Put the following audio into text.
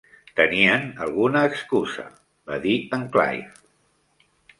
"Tenien alguna excusa", va dir en Clive.